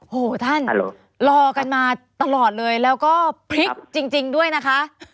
โหท่านรอกันมาตลอดเลยแล้วก็พลิกจริงด้วยนะคะ